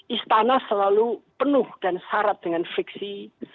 istana selalu penuh dan syarat dengan fiksi